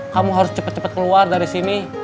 kamu harus cepet cepet keluar dari sini